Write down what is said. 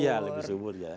iya lebih subur